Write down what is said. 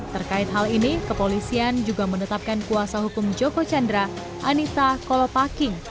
terkait hal ini kepolisian juga menetapkan kuasa hukum joko chandra anita kolopaking